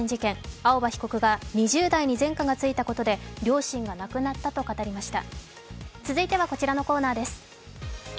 青葉被告が２０代に前科がついたということで両親が亡くなったと語りました。